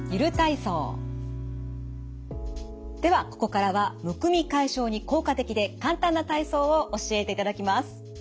ではここからはむくみ解消に効果的で簡単な体操を教えていただきます。